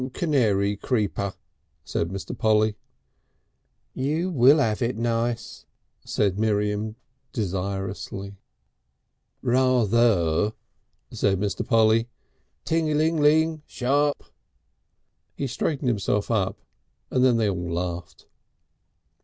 "Canary creeper," said Mr. Polly. "You will 'ave it nice," said Miriam, desirously. "Rather," said Mr. Polly. "Ting a ling a ling. Shop!" He straightened himself up and then they all laughed.